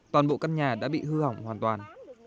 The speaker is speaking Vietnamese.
toàn bộ căn nhà đã bị hư hỏng hoàn toàn